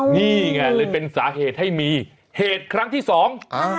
นี่ไงเลยเป็นสาเหตุให้มีเหตุครั้งที่สองอ่า